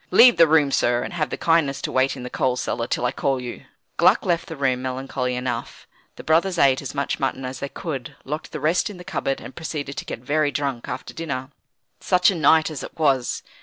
Leave the room, sir; and have the kindness to wait in the coal cellar till I call you." Gluck left the room melancholy enough. The brothers ate as much mutton as they could, locked the rest in the cupboard, and proceeded to get very drunk after dinner. Such a night as it was!